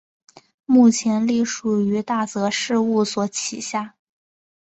目前隶属于大泽事务所旗下。